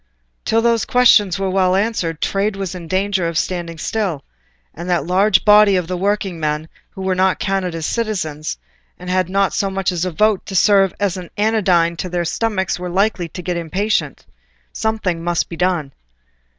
Till those questions were well answered trade was in danger of standing still, and that large body of the working men who were not counted as citizens and had not so much as a vote to serve as an anodyne to their stomachs were likely to get impatient. Something must be done.